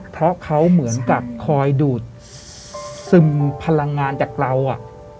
เพราะเขาเหมือนกับคอยดูดซึมพลังงานจากเราอ่ะ